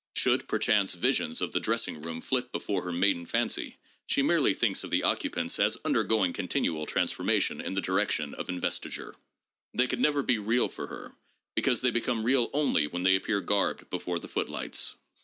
Should, perchance, visions of the dressing room flit before her maiden fancy, she merely thinks of the occupants as undergo ing continual transformation in the direction of investiture. They could never be real for her, because they become real only when they appear garbed before the foot lights.